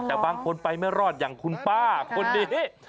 แต่บางคนไปไม่รอดอย่างคุณป้าคนนี้